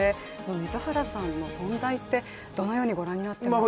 水原さんの存在ってどのようにご覧になっていますか。